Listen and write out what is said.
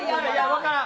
分からん。